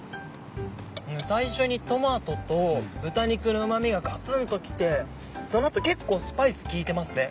最初にトマトと豚肉のうま味がガツンと来てその後結構スパイス効いてますね。